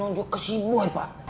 lonjok ke si boy pak